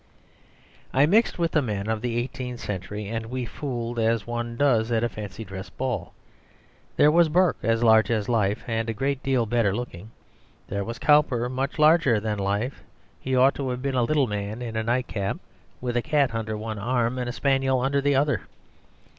I mixed with the men of the eighteenth century; and we fooled as one does at a fancy dress ball. There was Burke as large as life and a great deal better looking. There was Cowper much larger than life; he ought to have been a little man in a night cap, with a cat under one arm and a spaniel under the other.